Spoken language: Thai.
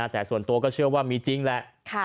แต่ส่วนตัวก็เชื่อว่ามีจริงแหละ